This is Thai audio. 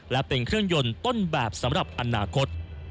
และเป็นเครื่องยนต์ต้นแบบสำหรับอนาคต